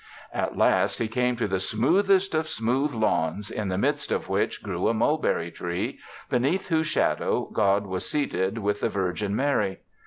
At last he came to the smoothest of smooth lawns, in the midst of which grew a mulberry tree, beneath whose shadow God was seated with the Virgin Mary.